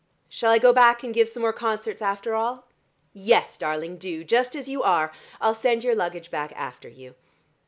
Shall I go back and give some more concerts after all?" "Yes, darling, do: just as you are. I'll send your luggage back after you.